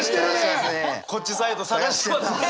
こっちサイド探してますね！